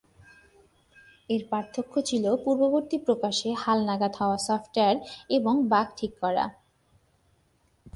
এর পার্থক্য ছিল পূর্ববর্তী প্রকাশে হালনাগাদ হওয়া সফটওয়্যার এবং বাগ ঠিক করা।